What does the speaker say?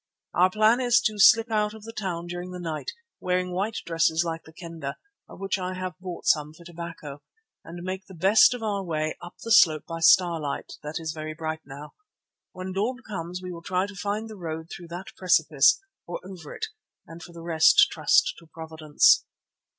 Our plan is to slip out of the town during the night, wearing white dresses like the Kendah, of which I have bought some for tobacco, and make the best of our way up the slope by starlight that is very bright now. When dawn comes we will try to find the road through that precipice, or over it, and for the rest trust to Providence."